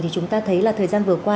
thì chúng ta thấy là thời gian vừa qua